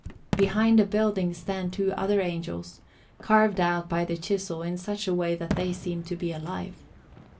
Behind a building stand two other Angels, carved out by the chisel in such a way that they seem to be alive.